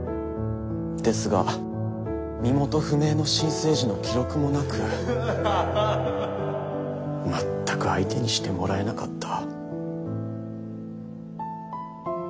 ですが身元不明の新生児の記録もなく全く相手にしてもらえなかった。